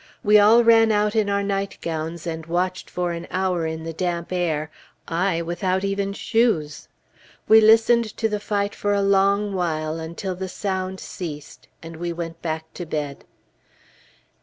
We all ran out in our nightgowns, and watched for an hour in the damp air, I without even shoes. We listened to the fight a long while, until the sound ceased, and we went back to bed.